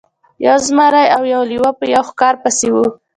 یو زمری او یو لیوه په یوه ښکار پسې وو.